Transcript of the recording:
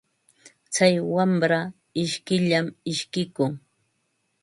Tsay wamra ishkiyllam ishkikun.